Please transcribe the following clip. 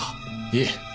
いえ。